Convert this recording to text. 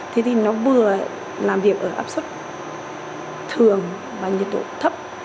thế thì nó vừa làm việc ở áp suất thường và nhiệt độ thấp